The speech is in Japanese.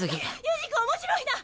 悠仁君面白いな。